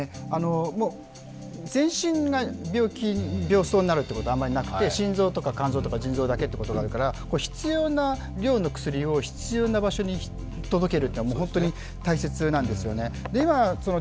全身が病気、病巣になるということはあまりなくて、心臓だけ肝臓だけ腎臓だけっていうことがあるから必要な量の薬を必要な場所に届けるというのは本当に大切なんですよね。